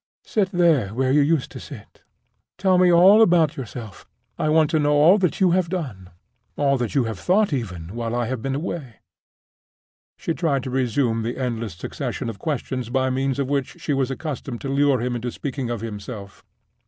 Sit there where you used to sit; tell me about yourself. I want to know all that you have done, all that you have thought even, while I have been away." She tried to resume the endless succession of questions by means of which she was accustomed to lure him into speaking of himself.